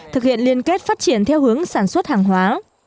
thực hiện liên kết phát triển theo hướng sản xuất hàng hóa